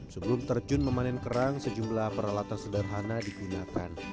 sebelum terjun memanen kerang sejumlah peralatan sederhana digunakan